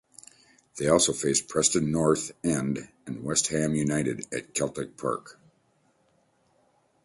They also faced Preston North End and West Ham United at Celtic Park.